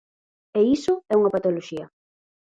E iso é unha patoloxía.